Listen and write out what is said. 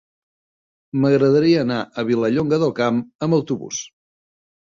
M'agradaria anar a Vilallonga del Camp amb autobús.